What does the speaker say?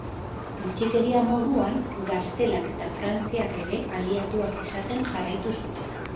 Bitxikeria moduan, Gaztelak eta Frantziak ere aliatuak izaten jarraitu zuten.